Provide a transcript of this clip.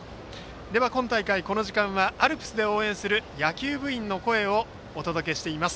では、今大会この時間はアルプスで応援する野球部員の声をお届けしています。